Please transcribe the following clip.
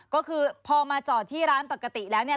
ก็คือพอมาจอดที่ร้านปกติแล้วเนี่ย